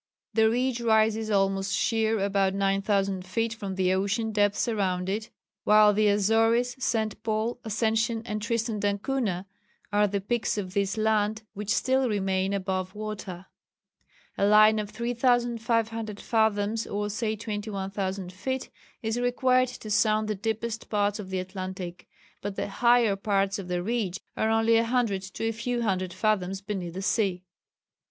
The ridge rises almost sheer about 9,000 feet from the ocean depths around it, while the Azores, St. Paul, Ascension, and Tristan d'Acunha are the peaks of this land which still remain above water. A line of 3,500 fathoms, or say, 21,000 feet, is required to sound the deepest parts of the Atlantic, but the higher parts of the ridge are only a hundred to a few hundred fathoms beneath the sea.